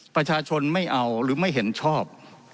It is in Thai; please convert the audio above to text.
ประชาชนไม่เอาหรือไม่เห็นชอบ